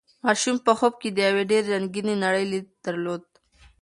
ماشوم په خوب کې د یوې ډېرې رنګینې نړۍ لید درلود.